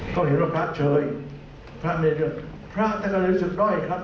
ต้องเห็นว่าพระเชยพระเมฆเรียนพระธรรมศึกด้อยครับ